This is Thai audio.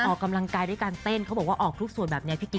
ออกกำลังกายด้วยการเต้นเขาบอกว่าออกทุกส่วนแบบนี้พี่ก๊